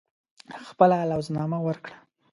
خپله لوز نامه ورکړه.